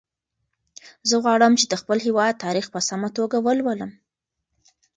زه غواړم چې د خپل هېواد تاریخ په سمه توګه ولولم.